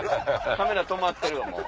カメラ止まってるわもう。